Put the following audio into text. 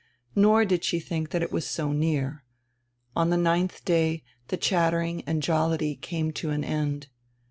Nor did she diink diat it was so near. On die ninth day die chattering and jollity came to an end.